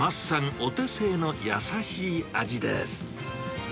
お手製の優しい味です。